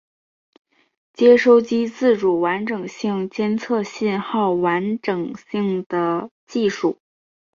接收机自主完整性监测信号完整性的技术。